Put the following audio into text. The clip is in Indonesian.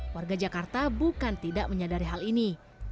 warga jakarta bukan tidak menyadari hal ini